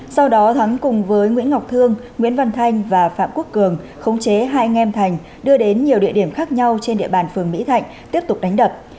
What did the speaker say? sau đó thắng cùng với nguyễn ngọc thương nguyễn văn thanh và phạm quốc cường khống chế hai anh em thành đưa đến nhiều địa điểm khác nhau trên địa bàn phường mỹ thạnh tiếp tục đánh đập